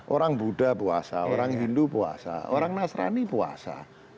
orang buddha puasa orang hindu puasa orang nasrani puasa